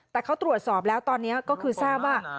แต่เขาตรวจสอบแล้วตอนนี้ก็คือทราบว่า